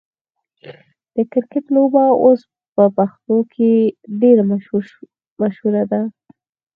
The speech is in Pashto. د کرکټ لوبه اوس په پښتنو کې ډیره مشهوره ده.